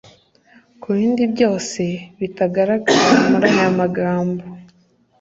Ku bindi byose bitagaragara mur aya magambo